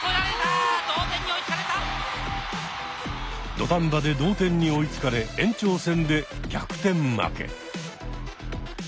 土壇場で同点に追いつかれ延長戦で逆転負け。